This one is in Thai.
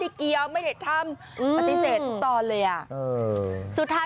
นี่แหละที่เค้าก็บอกว่า